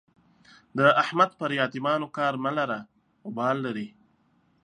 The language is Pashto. د احمد پر يتيمانو کار مه لره؛ اوبال لري.